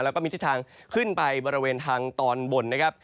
แล้วก็มีทิศทางขึ้นไปบริเวณทางตอนบนนะครับ